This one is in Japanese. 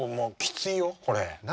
何？